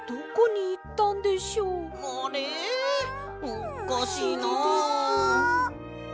おっかしいな。